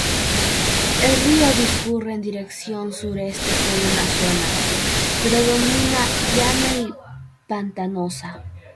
El río discurre en dirección Sureste por una zona predominantemente llana y pantanosa.